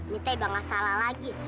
nih teh udah nggak salah lagi